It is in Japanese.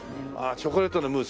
チョコレートのムース。